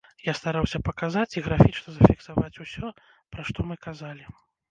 Я стараўся паказаць і графічна зафіксаваць усё, пра што мы казалі.